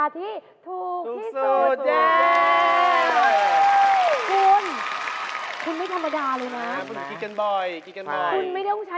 ถูกกว่า